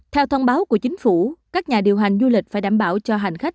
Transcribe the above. theo thông báo của chính phủ các nhà điều hành du lịch phải đảm bảo cho hành khách